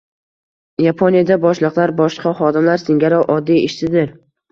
Yaponiyada boshliqlar boshqa xodimlar singari oddiy ishchidir.